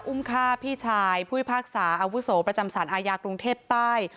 อุ้มฆ่าพี่ชายผู้พิพากษาอาวุโสประจำสารอาญากรุงเทพใต้